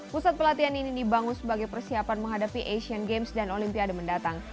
pusat pelatihan ini dibangun sebagai persiapan menghadapi asian games dan olimpiade mendatang